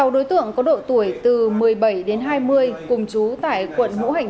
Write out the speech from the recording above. sáu đối tượng có độ tuổi từ một mươi bảy đến hai mươi cùng chú tại quận ngũ hành